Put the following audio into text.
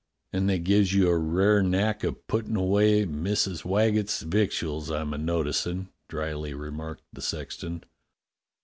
"And they gives you a rare knack of puttin' away Missus Waggetts' victuals, I'm a noticin'," dryly re marked the sexton.